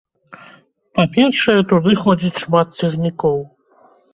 Па-першае, туды ходзіць шмат цягнікоў.